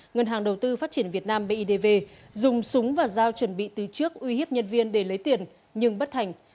ngân hàng đầu tư phát triển việt nam bidv dùng súng và dao chuẩn bị từ trước uy hiếp nhân viên để lấy tiền nhưng bất thành